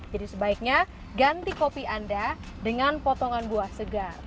jadi sebaiknya ganti kopi anda dengan potongan buah segar